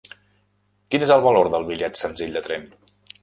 Quin és el valor del bitllet senzill de tren?